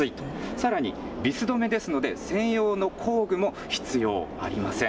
さらに、ビス留めですので、専用の工具も必要ありません。